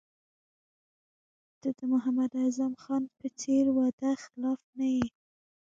ته د محمد اعظم خان په څېر وعده خلاف نه یې.